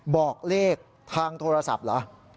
บอกเลขทางโทรศัพท์เหรอ